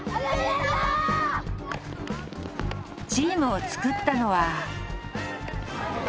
チームを作ったのは。